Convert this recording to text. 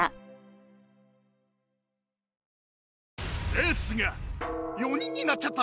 英寿が４人になっちゃった！？